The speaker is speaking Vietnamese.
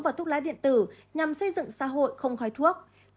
và thuốc lá điện tử nhằm xây dựng xã hội không khói thuốc